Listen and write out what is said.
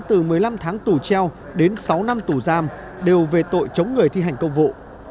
từ một mươi năm tháng tù treo đến sáu năm tù giam đều về tội chống người thi hành công vụ